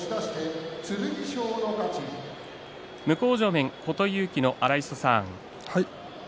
向正面、琴勇輝の荒磯さん